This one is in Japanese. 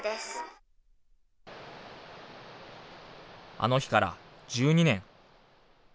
あの日から１２年。